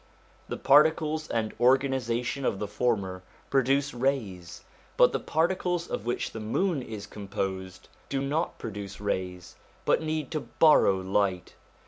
The particles and organisation of the former produce rays, but the particles of which the moon is composed do not M 178 SOME ANSWERED QUESTIONS produce rays, but need to borrow light.